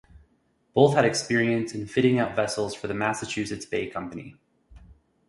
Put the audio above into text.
Both had experience in fitting out vessels for the Massachusetts Bay Company.